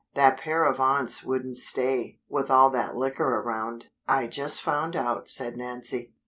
That pair of aunts wouldn't stay, with all that liquor around." "I just found out," said Nancy.